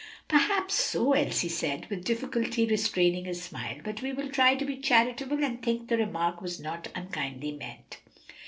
"Perhaps so," Elsie said, with difficulty restraining a smile, "but we will try to be charitable and think the remark was not unkindly meant."